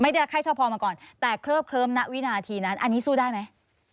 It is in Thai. ไม่ได้แหละใครชอบพอมาก่อนแต่เคลือบเคลือบหน้าวินาทีนั้นอันนี้สู้ได้ไหม